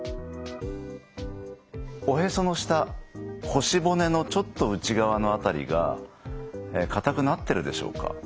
おへその下腰骨のちょっと内側の辺りが硬くなってるでしょうか？